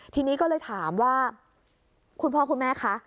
ทีนี้ก็เลยถามว่าคุณพ่อคุณแม่คะ